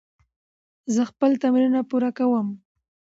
زه خپل تمرینونه پوره کوم.